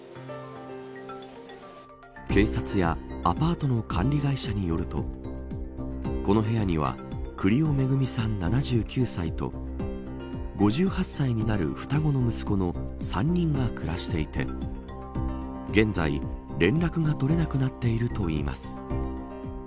警察やアパートの管理会社によるとこの部屋には栗尾恵さん７９歳と５８歳になる双子の息子の３人が暮らしていて現在、連絡が取れなくなっているといいます。